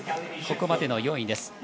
ここまでの４位です。